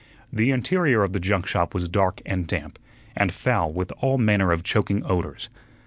The interior of the junk shop was dark and damp, and foul with all manner of choking odors.